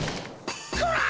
こら！